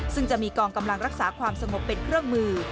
ซึ่งจะมีกองกำลังรักษาความสงบเป็นเครื่องมือ